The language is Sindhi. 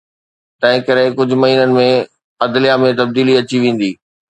تنهن ڪري ڪجهه مهينن ۾ عدليه ۾ تبديلي اچي ويندي.